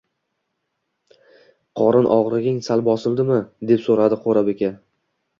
– Qorin og‘rig‘ing sal bosildimi? – deb so‘radi Qorabeka